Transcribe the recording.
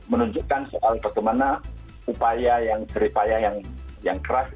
menunjukkan soal bagaimana upaya yang berupaya yang keras